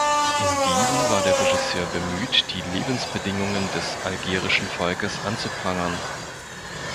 In diesen war der Regisseur bemüht, die Lebensbedingungen des algerischen Volkes anzuprangern.